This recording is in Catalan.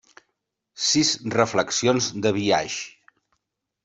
Sis reflexions de biaix.